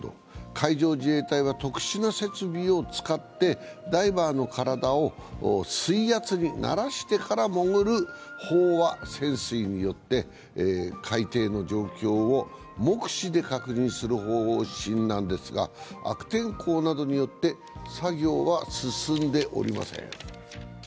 海上自衛隊は特殊な設備を使ってダイバーの体を水圧に慣らしてから潜る飽和潜水によって海底の状況を目視で確認する方針なんですが、悪天候などによって作業は進んでおりません。